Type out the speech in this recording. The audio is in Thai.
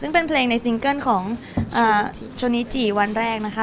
ซึ่งเป็นเพลงในซิงเกิ้ลของโชนิจีวันแรกนะคะ